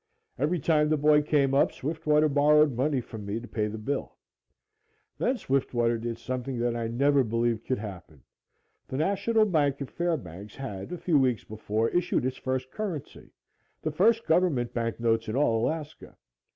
Every time the boy came up, Swiftwater borrowed money from me to pay the bill. Then Swiftwater did something that I never believed could happen. The National Bank at Fairbanks had, a few weeks before, issued its first currency the first government bank notes in all Alaska.